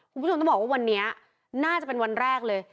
คุณผู้ชมต้องบอกว่าวันนี้น่าจะเป็นวันแรกเลย